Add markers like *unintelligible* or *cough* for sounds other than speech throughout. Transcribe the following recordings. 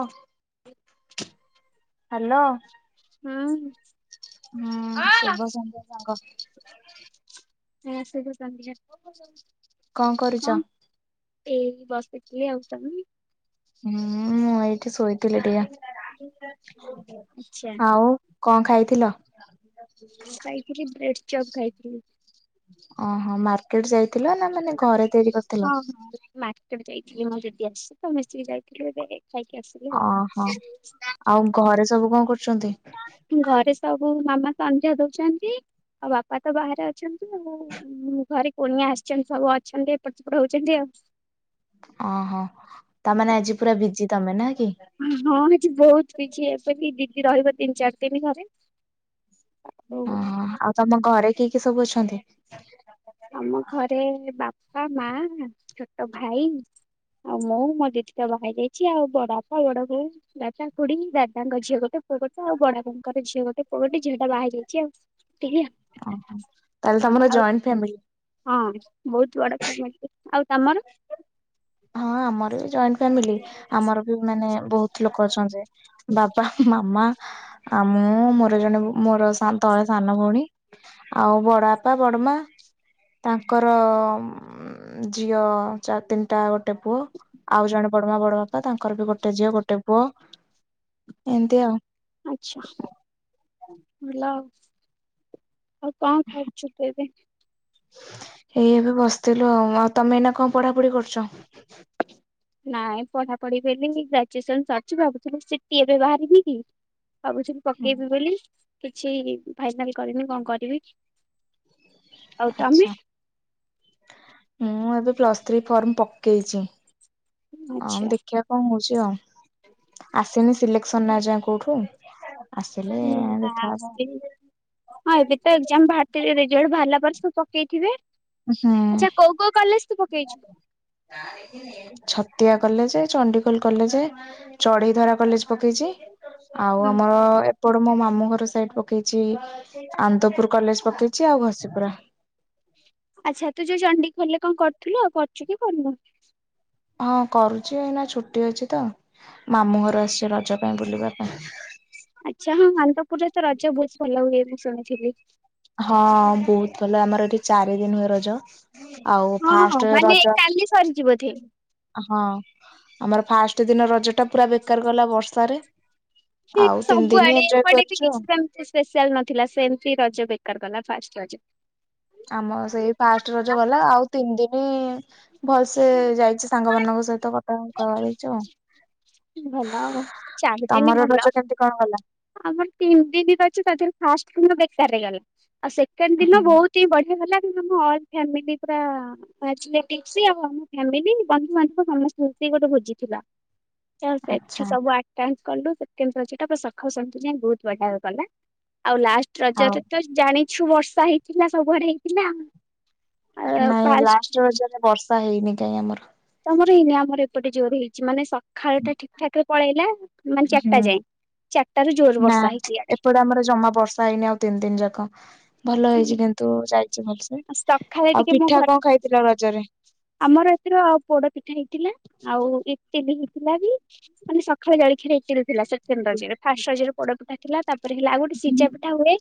ଅ ହ ହାଲୋ ହୁଁ ଶୁଭସନ୍ଧ୍ୟା ସାଙ୍ଗ। ଆ ଶୀଘ୍ର କାନ୍ଧିଆ କଁ କରୁଚ? ଏଇ ବସିଥିଲି ଆଉ ତମେ। ହୁଁ ମୁଁ ଏଇଠି ଶୋଇଥିଲି ଟିକେ ଆଚ୍ଛା ଆଉ କଣ ଖାଇଥିଲ? ଆଜି ଖାଇଥିଲି ବ୍ରେଡ଼ ଚପ୍ ଖାଇଥିଲି। ଓହୋ ମାର୍କେଟ ଯାଇଥିଲ ନା ମାନେ ଘରେ ତିଆରି କରିଥିଲ। ହଁ ହଁ ମାର୍କେଟ ଯାଇଥିଲି ମୁଁ ଦିଦି ଆସିଛି ତ ମିଶିକି ଯାଇଥିଲି ଏବେ। ଖାଇକି ଆସିଲୁ। ଓହୋ ଆଉ ଘରେ ସବୁ କଣ କରୁଛନ୍ତି? ଘରେ ସବୁ ମାମା ସନ୍ଧ୍ୟା ଦଉଛନ୍ତି ଆଉ ବାପା ତ ବାହାରେ ଅଛନ୍ତି ଆଉ। ହୁଁ ଘରେ କୁଣିଆ ଆସିଛନ୍ତି ସବୁ ଅଛନ୍ତି ଏପଟ ସେପଟ ହଉଛନ୍ତି ଆଉ। ଓହୋ ତାମାନେ ଆଜି ପୁରା ବିଜି ତମେ ନା କି? ହଁ ଆଜି ବହୁତ ବିଜି ଏବେ ଟିକେ ଦିଦି ରହିବ ତିନି ଚାରି ଦିନ ଘରେ। ଆଉ ଓହୋ ଆଉ ତମ ଘରେ କିଏ କିଏ ସବୁ ଅଛନ୍ତି? ଆମ ଘରେ ବାପା ମା ଛୋଟ ଭାଇ ଆଉ ମୁଁ ମୋ ଦିଟିି ତ ବାହା ହେଇ ଯାଇଛି। ଆଉ ବଡ ବାପା, ବଡ ବୋଉ ଦାଦା, ଖୁଡି, ଦାଦାଙ୍କ ଝିଅ ଗୋଟେ, ପୁଅ ଗୋଟେ, ଆଉ ବଡ ବାପାଙ୍କର ଝିଅ ଗୋଟେ, ପୁଅ ଗୋଟେ, ଝିଅ ଟା ବାହାହେଇ ଯାଇଛି ଆଉ। ଏତିକି ଆଉ। ଓହୋ ତାହେଲେ ତମର ହଁ ଜଏଣ୍ଟ ଫ୍ୟାମିଲି। ହଁ ବହୁତ ବଡ ଫ୍ୟାମିଲି। ଆଉ ତମର? ହଁ ଆମର ବି ଜଏଣ୍ଟ ଫ୍ୟାମିଲି। ଆମର ବି ମାନେ ବହୁତ ଲୋକ ଅଛନ୍ତି ବାବା, ମାମା, ଆଉ ମୁଁ, ମୋର ଜଣେ ମୋର ତଳେ ସାନ ଭଉଣୀ ଆଉ ବଡ ବାପା, ବଡମା ତାଙ୍କର ଝିଅ ତିନିଟା, ଗୋଟେ ପୁଅ ଆଉ ଜଣେ ବଡମା, ବଡ ବାପା, ତାଙ୍କର ବି ଗୋଟେ ଝିଅ ଗୋଟେ ପୁଅ, ଏମିତି ଆଉ। ଆଚ୍ଛା ଭଲ ଆଉ। କଣ କରୁଛୁ ତୁ ଏବେ? ଏଇ ଏବେ ବସିଥିଲୁ ଆଉ ଆଉ ତମେ ଏଇନା କଣ ପଢାପଢି କରୁଛ? ନାଇଁ ପଢାପଢି ବେଲି ଗ୍ରାଜୁଏସନ ସରିଛି ଭାବୁଥିଲି ସିଟି ଏବେ ବାହାରିନି କି ଭାବୁଛି ପକେଇବି ବୋଲି କିଛି ଫାଇନାଲ କରନି କଣ କରିବି? ଆଉ ତମେ ଆଚ୍ଛା। ମୁଁ ଏବେ ପ୍ଲସ୍ ଥ୍ରୀ ଫର୍ମ ପକେଇଛି। ହଁ ମୁଁ ଆଚ୍ଛା ଦେଖିବା କଣ ହଉଛି ଆଉ ଆସିନି ସିଲେକ୍ସନ ନା ଏଯାଏ କୋଉଠୁ? ଆସିଲେ ହୁଁ ଦେଖା ହବ। ନା ହଁ ଏବେ ତ ଏକ୍ଜାମ ବାହାରିଥିଲେ ରେଜଲ୍ଟ ବାହାରିଲା ପରେ ସବୁ ପକେଇଥିବେ। ହୁଁ। ଆଚ୍ଛା କୋଉ କୋଉ କଲେଜ ତୁ ପକେଇଛୁ? *inaudible* Chhatia college, Chandikhol college, Chadhei Dhara college, ପକେଇଛି। ଆଉ ହୁଁ ଆମର ଏ ଏପଟ ମୋ ମାମୁଁ ଘର ସାଇଡ ପକେଇଛି ଆନନ୍ଦପୁର କଲେଜ ପକେଇଛି, ଆଉ ଘସି ପୁରା ଆଚ୍ଛା ତୁ ଯୋଉ ଚଣ୍ଡିଖୋଲ ରେ କଣ କରୁଥିଲୁ ଆଉ କରୁଛୁ କି କରନୁ? ହଁ କରୁଛି ଏଇନା ଛୁଟି ଅଛି ତ ମାମୁଁ ଘର ଆସିଛି ରଜ ପାଇଁ ବୁଲିବା ପାଇଁ। ଆଚ୍ଛା ହଁ ଆନ୍ଦପୁରରେ ତ ରଜ ବହୁତ ଭଲ ହୁଏ ମୁଁ ଶୁଣିଥିଲି। ହଁ ବହୁତ ଭଲ ଆମର ଏଠି ଚାରି ଦିନ ହୁଏ ରଜ। ଆଉ ହଁ ହଁ ଫାଷ୍ଟ ମାନେ ରଜ କାଲି ସରିଛି ବୋଧେ। ହଁ ଆମର ଫାଷ୍ଟ ଦିନ ରଜ ଟା ପୁରା ବେକାର ଗଲା ବର୍ଷାରେ। ଆଉ ଠିକ୍ ତିନି ଦିନ ସବୁଆଡେ ଏଞ୍ଜୟ ଏପଟେ ବି କରିଛୁ ଆଉ। କିଛି ସେମ୍ ସ୍ପେଶାଲ ନଥିଲା ସେମତି ରଜ ବେକାର କଲା ଫାଷ୍ଟ ରଜ। ଆମ ସେଇ ଫାଷ୍ଟ ରଜ ଗଲା ଆଉ ତିନି ଦିନି ଭଲସେ ଯାଇଚି। ସାଙ୍ଗ ମାନଙ୍କ ସହିତ *unintelligible* ହେଇଚୁ ଆଉ। ହେଲା ଆଉ। ଚାରିଦିନି ତମର ରଜ କେମିତି କଣ ଗଲା? ଆମର ତିନି ଦିନି ରଜ ତା ଦେହରୁ ଫାଷ୍ଟ ଦିନ ବେକାର ରେ ଗଲା। ଆଉ ସେକେଣ୍ଡ ଦିନ ହୁଁ। ବହୁତ୍ ବଢିଆ ହେଲା, କିନ୍ତୁ ଆମ ଅଲ୍ ଫାମିଲି ପୁରା *unintelligible* ଆଉ ଆମ ଫ୍ୟାମିଲି ବନ୍ଧୁବାନ୍ଧବ ସମସ୍ତେ ମିଶି ଗୋଟେ ଭୋଜି ଥିଲା। ସେଠି ଆଚ୍ଛା ସବୁ ଆଟାକ୍ କଲୁ। ସେକେଣ୍ଡ ରଜ ଟା ପୁରା ସ *unintelligible* ଯାଇଁ ବହୁତ ବଢିଆ ଗଲା। ଆଉ ଲାଷ୍ଟ ଆଉ ରଜରେ ତୁ ତ ଜାଣିଛୁ ବର୍ଷା ହେଇଥିଲା ସବୁଆଡେ ହେଇଥିଲା। ଆଉ ନାଇଁ ଫାଷ୍ଟ ଲାଷ୍ଟ ରଜରେ ବର୍ଷା ହେଇନି କାଇଁ ଆମର। ତମର ହେଇନି, ଆମର ଏପଟ ଜୋର ହେଇଚି। ମାନେ ସଖାଳ ଟା ଠିକ୍ ଠାକ୍ ରେ ପଳେଇଲା। ମାନେ ଚାରିଟା ହୁଁ, ଯାଏଁ। ଚାରିଟାରୁ ଜୋର ନା। ବର୍ଷା ହେଇଛି ଇଆଡେ। ଏପଟେ ଆମର ଜମା ବର୍ଷା ହେଇନି ଆଉ ତିନି ଦିନ ଯାକ। ଭଲ ହେଇଚି କିନ୍ତୁ ଯାଇଚି ଭଲସେ। ସକାଳେ ଆଉ ଟିକେ ମୋ ଘର ପିଠା କଣ ଖାଇଥିଲ ରଜରେ? ଆମର ଏଥିର ଆଉ ପୋଡ ପିଠା ହେଇଥିଲା। ଆଉ ଇଟିଲି ହେଇଥିଲା ବି। ମାନେ ସଖାଳେ ଜଳଖିଆ ରେ ଇଟିଲି ଥିଲା ସେକେଣ୍ଡ ରଜରେ। ଫାଷ୍ଟ ରଜ ରେ ପୋଡପିଠା ଥିଲା। ତାପରେ ହେଲା ଆଉ ଗୋଟେ ସିଝା ପିଠା ହୁଏ।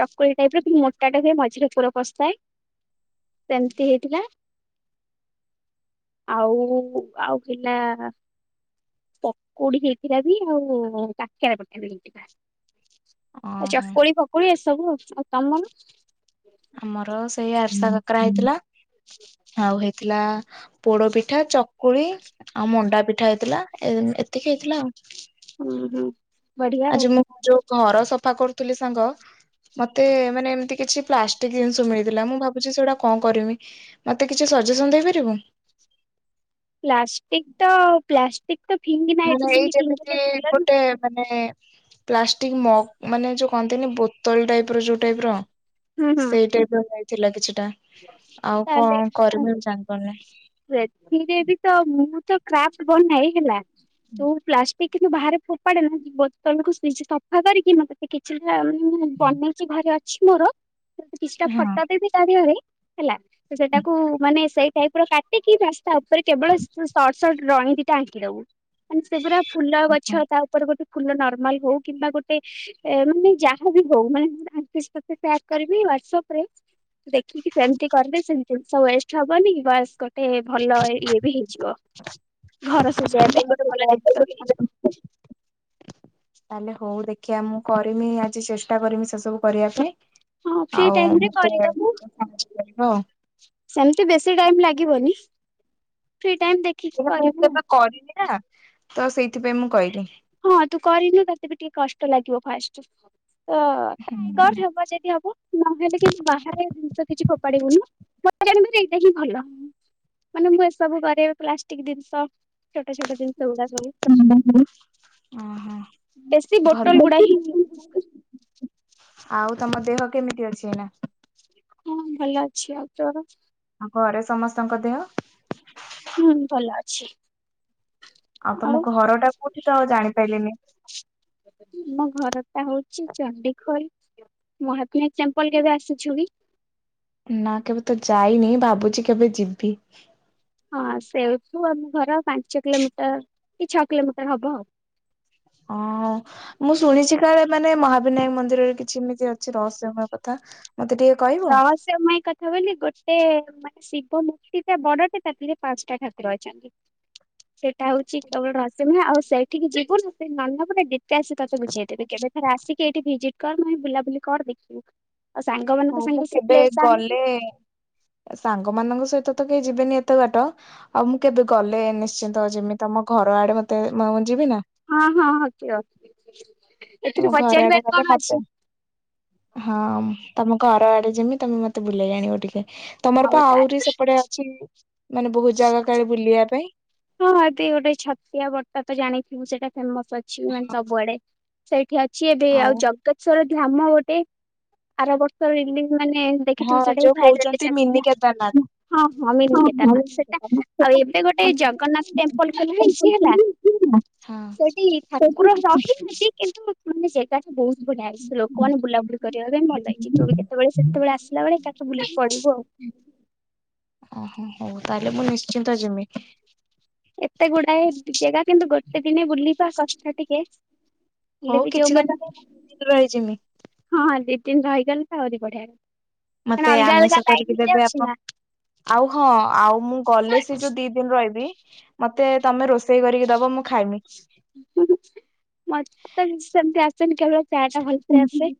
ଚ ପୁରୀ ଟାଇପ୍ ର କିନ୍ତୁ ମୋଟା ଟା ହୁଏ ମଝିରେ ପୁର ପସିଥାଏ, ସେମତି ହେଇଥିଲା। ଆଉ ଆଉ ଥିଲା ପକୁଡି ହେଇଥିଲା ବି ଆଉ କାକରା ପିଠା ବି ହେଇଥିଲା। ଆ ଓହୋ ଚକୁଳି ଫକୁଳି ଏସବୁ। ଆଉ ତମର? ଆମର ସେଇ ଆରିସା କାକରା ହେଇଥିଲା। ଆଉ ହେଇଥିଲା ପୋଡପିଠା ଚକୁଳି ଆଉ ମଣ୍ଡା ପିଠା ହେଇଥିଲା, ଏ ଏତିକି ହେଇଥିଲା ଆଉ। ଉଁ ହୁଁ। ବଢିଆ ଆଉ ଆଜି ମୁଁ ଯୋଉ ଘର ସଫା କରୁଥିଲି ସାଙ୍ଗ ମତେ ମାନେ ଏମତି କିଛି ପ୍ଲାଷ୍ଟିକ ଜିନିଷ ମିଳିଥିଲା ମୁଁ ଭାବୁଚି ସେଗୁଡା କଣ କରିମି। ମତେ କିଛି ସଜେସନ ଦେଇପାରିବୁ? ପ୍ଲାଷ୍ଟିକ ତ ପ୍ଲାଷ୍ଟିକ ତ ଫିଙ୍ଗି ନା ମାନେ ଏଠି ଏଇ ସେଠି ଯେମିତି ଫିଙ୍ଗିଲେ ଭଲ ଗୋଟେ ନୁହେଁ। ମାନେ ପ୍ଲାଷ୍ଟିକ ମଗ ମାନେ ଯୋଉ କହନ୍ତିନି ବୋତଲ ଟାଇପ ର ଯୋଉ ଟାଇପ୍ ର ହୁଁ ହୁଁ ସେଇ ଟାଇପ୍ ର ହେଇଥିଲା କିଛିଟା। ଆଉ ତାହେଲେ କଣ କରିବି ଜାଣିପାରୁନି। ସେଥିରେ ବି ତ ମୁଁ ତ କ୍ରାଫ୍ଟ ବନାଏ ହେଲା, ଯୋଉ ପ୍ଲା ଷ୍ଟିକ୍ କିନ୍ତୁ ବାହାରେ ଫୋପାଡେନା, ବୋତଲକୁ ନିଜେ ସଫା କରିକି ମତେ ଏ କିଛିଟା ମୁଁ ବନେଇଚି ଘରେ ଅଛି ମୋର, କିଛିଟା ହଁ। ଫଟୋ ଦେବି *unintelligible* ରେ ହେଲା ତ ସେଟାକୁ ମାନେ ସେଇ ଟାଇପର କାଟିକି ବାସ୍ ତାପରେ କେବଳ ସର୍ଟ ସର୍ଟ ଡ୍ରଇଂ ଦିଟା ଆଙ୍କିଦବୁ। ମାନେ ସେଗୁରା ଫୁଲ ଗଛ ତା ଉପରେ ଗୋଟେ ଫୁଲ ନର୍ମାଲ ହଉ କିମ୍ବା ଗୋଟେ ମାନେ ଯାହାବି ହଉ, ମାନେ ଆଙ୍କିଚି ତତେ ସେୟାର କରିବି ହ୍ୱାଟସ୍ ଅପ୍ ରେ ଦେଖିକି ସେମିତି କରିଲେ ସେମିତି ଜିନିଷ ୱେଷ୍ଟ ହବନି ବାସ୍ ଗୋ ଟେ ଭଲ ଇଏ ବି ହେଇଯିବ। ଘର ସଜାଇବା ପାଇଁ ଗୋଟେ ଭଲ ଜିନିଷ ବି ହେଇଯିବ। ତାହେଲେ ହଉ ଦେଖିବା ମୁଁ କରିନି ଆଜି ଚେଷ୍ଟା କରିମି ସେସବୁ କରିବା ପାଇଁ। ହଁ ଫ୍ରି ଆଉ ଟାଇମ ରେ *unintelligible* ସେମତି ବେଶୀ ଟାଇମ୍ ଲାଗିବନି। ଫ୍ରୀ ଟାଇମ୍ ଦେ ମୁଁ କେବେ କରନି ନା ତ ସେଇଥିପାଇଁ ମୁଁ କହିଲି। ହଁ ତୁ କରିନୁ ତତେ ବି ଟିକେ କଷ୍ଟ ଲାଗିବ ଫାଷ୍ଟ। ତ ଟ୍ରାଏ କର ଓହୋ ହବ ଯଦି ହବ। ନହେଲେ କିନ୍ତୁ ବାହାରେ ଜିନିଷ କିଛି ଫୋପାଡିବୁନି ହେଲା ହଁ ଏଇଟା ହିଁ ଭଲ ହବ। ମାନେ ମୁଁ ଏସବୁ କରେ ପ୍ଲାଷ୍ଟିକ ଜିନିଷ ଛୋଟ ଛୋଟ ଜିନିଷ ଗୁଡା ସବୁ ହଁ ବେଶୀ ଓ ବୋଟଲ ଗୁଡା ହିଁ ହୋ ୟୁଜ କରେ। ଭଲ ଆଉ ତମ ଦେହ କେମିତି ଅଛି ଏଇ ନା ହଁ ଭଲ ଅଛି ଆଉ ତୋର ଆଉ ଘରେ ସମସ୍ତଙ୍କ ଦେହ। ହୁଁ ଭଲ ଅଛି। ଆଉ ତମ ଘର ଟା କୋଉଠି ତ ଆଉ ଜାଣିପାରିନି ମୋ ଘର ଟା ହଉଛି ଚଣ୍ଡିଖୋଲ। ମହାବିର ଟେମ୍ପଲ କେବେ ଆସିଛୁ କି ନା କେବେ ତ ଯାଇନି ଭାବୁଛି କେବେ ଯିବି। ହଁ ସେଠୁ ଆମ ଘର ପାଞ୍ଚ କିଲୋମିଟର କି ଛଅ କିଲୋମିଟର ହବ ଆଉ ଓଁ ମୁଁ ଶୁଣିଛି କାଳେ ମାନେ ମହାବିନାୟକ ମନ୍ଦିରରେ କିଛି ଏମିତି ଅଛି ରହସ୍ୟମୟ। କଥା ମତେ ଟିକେ। କହିବ? ଗାାମ ରହସ୍ୟମୟ କଥା ବୋଲି ଗୋଟେ ମାନେ ଶିବ ମୂର୍ତ୍ତିଟେ ବଡଟେ ତାଠୀରେ ପାଞ୍ଚଟା ଠାକୁର ଅଛନ୍ତି। *inaudible* ସେଇଟା ହଉଛି କେବଳ ରସିମେହା ଆଉ ସେଇଠିକି ଯିବୁନ ସେଇ ନନପଟା। ଆ ସେ ତତେ ବୁଝେଇଦେବେ କେବେଥରେ ଆସିକି ଏଇଠି ଭିଜିଟ୍ କର ନଁ ବୁଲାବୁଲି କର ଦେଖିବୁ। ଆଉ ସାଙ୍ଗ ମାନ ତ ତେବେ ଗଲେ ସାଙ୍ଗ ମାନଙ୍କ ସହିତ ତ କେହି ଯିବେନି ଏତେ ବାାଟ। ଆଉ ମୁଁ କେବେ ଗଲେ ନିଶ୍ଚିନ୍ତ ଯେମିତି ତମ ଘର ଆଡେ ମତେ ମୁଁ ଯିବି ନା ହଁ ହଁ ହକ ତମ ଏଥିରେ ଘର ଆଡେ ପଚାରିବାର ଗଲେ କଣ ମତେ ଅଛି। ହଁ ତମ ଘର ଆଡେ ଯେମିତି ତମେ ମତେ ବୁଲେଇ ଆାଣିବ ଟିକେ। ତମର ହଉ ପା ଆହୁରି ତାହେଲେ ସେପଟେ ଅଛି ମାନେ ବହୁତ ଜାଗା କାଳେ ବୁଲିବା ପାଇଁ। ହଁ ହଁ ଏ ଗୋଟେ ଛତିଆ ବର୍ତ୍ଟତା ତ ଜାଣିଥିବୁ ସେଇଟା ଫେମସ ଅଛି ମାନେ ସବୁଆଡେ। ସେଇଠି ଅଛି ଏବେ ଆଉ ଜଗେଶଵର ଧାମ ଗୋଟେ ଆର ବର୍ଷ ମାନେ ଦେଖି ତୁ ହଁ ସେଟା ଯୋଉ ଭାଇେ କହୁଛନ୍ତି ଚାଲି ମିନି ନା କେଦାରନାଥ। ହଁ ହଁ ମିଲିକେ ତାର ସେଟା ସମସ୍ତେ ତ ଆଉ ଏବେଟ ଗୋଟେ ଜଗନ୍ନାଥ। ଲ ହେଲା ହଁ। ସେଠି ଠାକୁର ରହିନାହାନ୍ତି କିନ୍ତୁ ମାନେ ଜାଗା ବହୁତ ବଢିଆଇଛି ଲୋକମାନୋନ ବୁଲାବୁଲି କରିବା ପାଇଁ ଭଲ ହେଇଛି ଯୋଉ ବି କେତେବେଳେ ସେ କେତେବେଳେ ଆସିଲାେଳେ କାକକୁ ବୁଲାକୁ ପଡିବ ଆଉ। ଓହୋ ହଉ ତାହେଲେ ମୁଁ ନିଶ୍ଚିନ୍ତ ଯିମି ଏତେ ଗୁଡାଏ ଜାଗା କିନ୍ତୁ ଗୋଟେ ଦିନେ ବୁଲିବା କଷ୍ଟ ଟିକେ ଲ ହଉ ଭଝଉ କିଛି କଥା ମଲେ ନାଇଁ ମୁଁ ଦି ଦିନ ରହିଯିମି। *inaudible* ହଁ ହଁ ଦି ଦିନ ରହିଗଲେ ତାରି ବଢିଆରେ କ ମତେ ଅଲଗା ଆମିଷ ଅଲଗା ଲାଇ କରିକି ଦେବେ ହେଇଯାଉଛି ଆପଣ ନା ଆଉ ହଁ ଆଉ ମୁଁ ଗଲେ ସେ ଯୋଉ ଦି ଦିନ ରହିବି ମତେ ତମେ ରୋଷେଇ ସେଇ କରିକି ଦବ ମୁଁ ଖାଇମି। ମତେତଛନ୍ତି ଆ କେବେଳ ଚା ଟା ଭଲସେ ଆସେ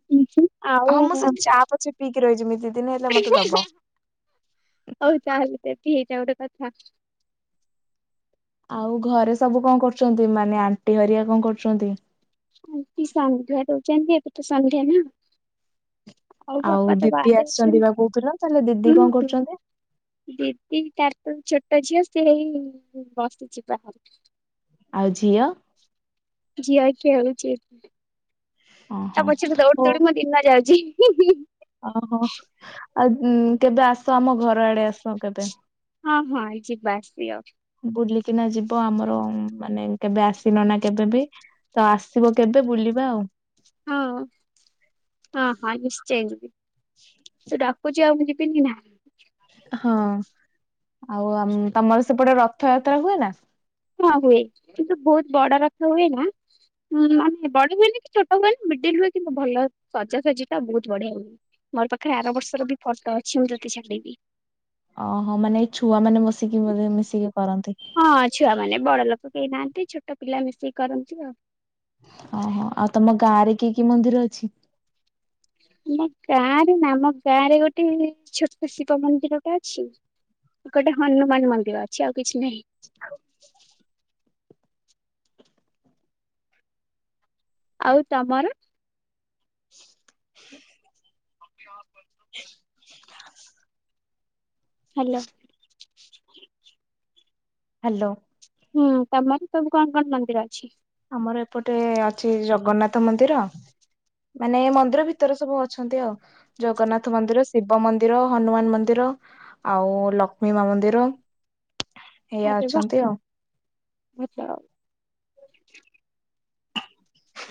ଆଉ ପିକି ରହିଛିମି ଦତିି ଦିନ ହେଲେ ମତେ ଦବ। ହଉ ତାହଲେ ଦେବୀ ହେଇଯା ଗୋଟେ କଥା। ଆଉ ଘରେ ସବୁ କଣ କରୁଚନ୍ତି ମାନେ ଆଣ୍ଟି ହରିଆ କଣ କରୁଚନ୍ତି? ଆଣ୍ଟି ସନ୍ଧ୍ୟା ଦଉଚନ୍ତି ଏବେ ତ ସନ୍ଧ୍ୟା ନା। ଆଉ ବାପା ତ ଦିଦି ବାହାରେ ଆସିଛନ୍ତି ଅଛନ୍ତି ବା କହୁଥିଲ ତାହେଲେ ଦିଦି ହୁଁ କଣ ହୁଁ। କରୁଛନ୍ତି ଦିଦି ତା ଟ ଛୋଟ ଝିଅ ସେଇ ବସିଛି ପାଖରେ। ଆଉ ଝିଅ? ଝିଅ ଏ କେଳୁଛି। ତା ଓହୋ। ପଛରେ ଦୌଡି ଦୌଡି ମୋ ଦିନ ଯାଉଚି। ଅ ହ ଆଉ କେବେ ଆସ ଆମ ଘର ଆଡେ ଆସ କେବେ। ହଁ ହଁ ଯିବା ସିଓର। ବୁଲିକିନା ଯିବ ଆମର ମାନେ କେବେ ଆସିନ ନା କେବେ ବି। ତ ଆସିବ କେବେ ବୁଲିବା ଆଉ। ହଁ ହଁ ହଁ ନିଶ୍ଚୟ ଯିବି। ହ *inaudible* ସେ ଡାକୁଚି ଆ ମୁଁ ଯିବିନି ନା। ହଁ ଆଉ ତମର ସେପଟେ ରଥଯାତ୍ରା ହୁଏ ନା? ହଁ ହୁଏ କିନ୍ତୁ ବହୁତୁ ବଡ ରଥ ହୁଏ ନା। ହୁଁ ମାନେ ବଢ ହୁଏନିକି ଛୋଟ ହୁଏନି ମିଡିଲି ହୁଏ କିନ୍ତୁ ଭଲ ସଜା ସଜି ଟା ବହୁତୁ ବଢ଼ିଆ ହୁଏ। ମୋର ପାଖରେ ଆର ବର୍ଷର ବି ଫର୍ଟ ଅଛି ମୁଁ ତତେ ଛାଡିଦେବି। ଅ ହ ମାନେ ଛୁଆ ମାନେ ବସିକିବୋଧେ ମିଶିକି କରନ୍ତି। ହଁ ଛୁଆମାନେ ବଡ ଲୋକ କେହି ନାହାନ୍ତି ଛୋଟ ପିଲା ମିଶିକି କରନ୍ତି ଆଉ। ହଁ ହଁ ଆଉ ତମ ଗାଁ ରେ କି କି ମନ୍ଦିର ଅଛି? ଆମ ଗାଁରେ ନା ଆମ ଗାଁ ରେ ଗୋଟେ ଛୋଟ ଶିବ ମନ୍ଦିର ଟା ଅଛି ଗୋଟେ ହନୁମାନ ମନ୍ଦିର ଅଛି ଆଉ କିଛି ନାହିଁ। ହଉ *inaudible* ଆଉ ତମର? ହ *inaudible* ଅା *inaudible* ହ *inaudible* ହ୍ୟାଲୋ। ହ୍ୟାଲୋ। ହୁଁ ତମର ସବୁ କଣ କଣ ମନ୍ଦିର ଅଛି? ଆମର ଏପଟେ ଅଛି ଜଗନ୍ନାଥ ମନ୍ଦିର। ମାନେ ମନ୍ଦିର ଭିତରେ ସବୁ ଅଛନ୍ତି ଆଉ ଜଗନ୍ନାଥ ମନ୍ଦିର ଶିବ ମନ୍ଦିର ହନୁମାନ ମନ୍ଦିର ଆଉ ଲକ୍ଷ୍ମୀ ମା ମନ୍ଦିର ଏଇଆ ଅଛନ୍ତି ଆଉ। ଆଚ୍ଛା *inaudible*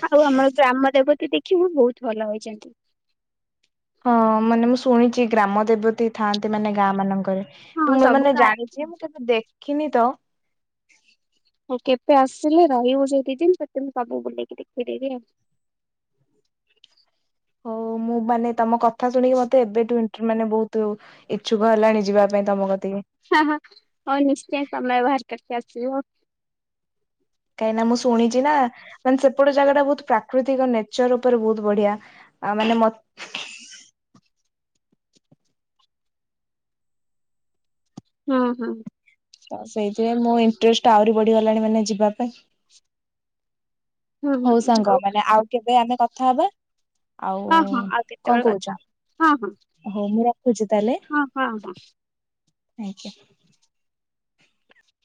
ଆଉ ଆମର ଗ୍ରାମ ଦେବତୀ ଦେଖିବୁ ବହୁତୁ ଭଲ ହେଇଛନ୍ତି। ହଁ ମାନେ ମୁଁ ଶୁଣିଚି ଗ୍ରାମ ଦେବତୀ ଥାଆନ୍ତି ମାନେ ଗାଁ ମାନଙ୍କରେ। ହଁ ମୁଁ ସବୁ ଏମାନେ ଗାଁ ଜାଣିଚି ମୁଁ କେବେ ଦେଖିନି ତ। ହଉ କେବେ ଆସିଲେ ରହିବୁ ଯୋଉ ଦିଦିନି ତତେ ମୁଁ ସବୁ ବୁଲେଇକି ଦେଖେଇଦେବି ଆଉ। ହଉ ମୁଁ ମାନେ ତମ କଥା ଶୁଣିକି ମତେ ଏବେଠୁ ଇନ ମାନେ ବହୁତୁ ଇଚ୍ଛୁକ ହେଲାଣି ଯିବା ପାଇଁ ତମ କତିକି। ହ ହ ହଉ ନିଶ୍ଚୟ ସମୟ ବାହାର କରିକି ଆସିବ। କାଇଁକିନା ମୁଁ ଶୁଣିଚି ନା ମାନେ ସେପଟ ଜାଗା ଟା ବହୁତୁ ପ୍ରାକୃତିକ ନେଚର ଉପରେ ବହୁତ ବଢିଆ। ଆ ମାନେ ମ ହଁ ହଁ। ତ ସେଇଥିରେ ମୋ ଇଣ୍ଟରେଷ୍ଟ ଆହୁରି ବଢିଗଲାଣି ମାନେ ଯିବା ପାଇଁ। ହୁଁ ହୁଁ ହଉ ସାଙ୍ଗ ଓକେ ମାନେ ଆଉ କେବେ ଆମେ କଥା ହବା? ଆଉ ହଁ ହଁ ଆଉ କେତେବେଳେ କଅଁ କଥା କହୁଚ? ହବା ହଉ ମୁଁ ରଖୁଛି ତାହଲେ ହଁ ହଁ ହଁ ହଁ ହଁ। ଆଜ୍ଞା।।